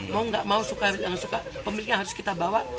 mau nggak mau suka atau nggak suka pemiliknya harus kita bawa